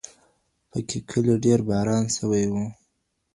په کلي کې ډېر باران سوی و.